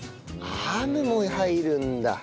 ハムも入るんだ。